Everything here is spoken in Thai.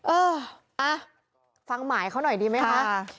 เออฟังหมายเขาหน่อยดีไหมคะ